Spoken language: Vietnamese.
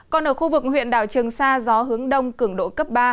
còn ở khu vực huyện đảo trường sa gió hướng đông cường độ cấp ba